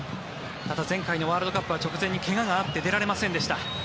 ただ、前回のワールドカップは直前に怪我があって出られませんでした。